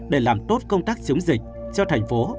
để làm tốt công tác chống dịch cho thành phố